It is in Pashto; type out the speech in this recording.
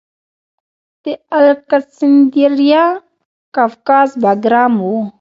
د الکسندریه قفقاز بګرام و